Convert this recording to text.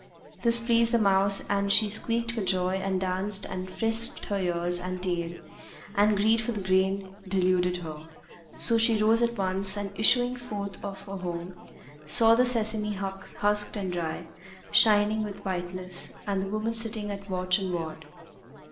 This pleased the mouse and she squeaked for joy and danced and frisked her ears and tail, and greed for the grain deluded her; so she rose at once and issuing forth of her home, saw the sesame husked and dry, shining with whiteness, and the woman sitting at watch and ward.